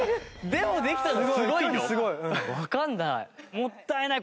でもできたのすごいよ。もったいない。